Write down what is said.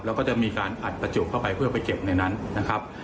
แล้วก็จะมีการอัดประจุเข้าไปเพื่อไปเก็บในนั้นนะครับ